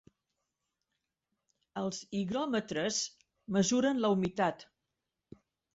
Els higròmetres mesuren la humitat.